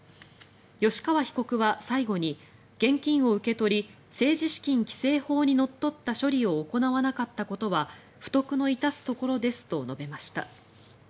吉川被告は最後に現金を受け取り政治資金規正法にのっとった処理を行わなかったことは不徳の致すところですと述べました。